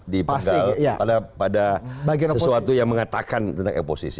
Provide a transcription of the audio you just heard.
dipenggal pada sesuatu yang mengatakan tentang oposisi